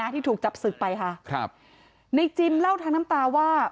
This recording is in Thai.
ที่ถูกจับศึกไปค่ะครับในจิมเล่าทางน้ำตาว่า